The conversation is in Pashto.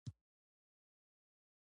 هغه غوسه پټه کړم او ستړی وم.